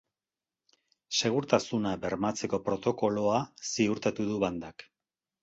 Segurtasuna bermatzeko protokoloa ziurtatu du bandak.